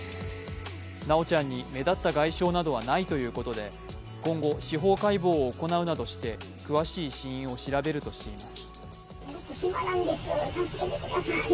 修ちゃんに目立った外傷などはないということで今後、司法解剖を行うなどして詳しい死因を調べるとしています。